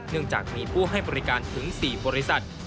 จากมีผู้ให้บริการถึง๔บริษัท